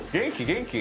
元気？